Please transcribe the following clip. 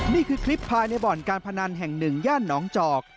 นี่คือคลิปภายในบ่อนการพนันแห่งหนึ่งย่านน้องจอก